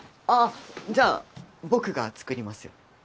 あぁじゃあ僕が作りますよ。